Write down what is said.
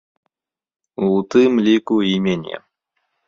У тым ліку і мяне.